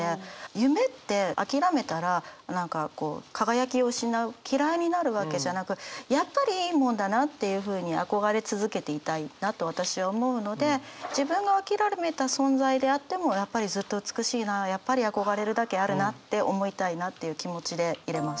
夢って諦めたら何かこう輝きを失う嫌いになるわけじゃなくやっぱりいいもんだなっていうふうに憧れ続けていたいなと私は思うので自分が諦めた存在であってもやっぱりずっと美しいなやっぱり憧れるだけあるなって思いたいなっていう気持ちで入れました。